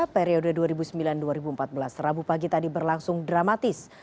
periode dua ribu sembilan dua ribu empat belas rabu pagi tadi berlangsung dramatis